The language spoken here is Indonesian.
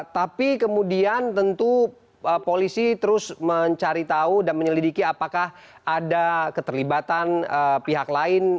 tapi kemudian tentu polisi terus mencari tahu dan menyelidiki apakah ada keterlibatan pihak lain